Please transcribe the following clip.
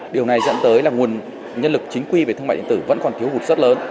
điều này dẫn tới là nguồn nhân lực chính quy về thương mại điện tử vẫn còn thiếu hụt rất lớn